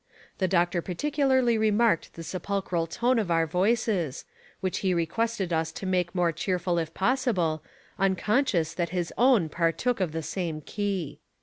The doctor particularly remarked the sepulchral tone of our voices, which he requested us to make more cheerful if possible, unconscious that his own partook of the same key.'